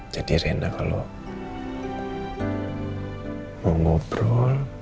jadi reina kalau mau ngobrol